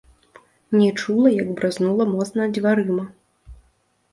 Не чула, як бразнула моцна дзвярыма.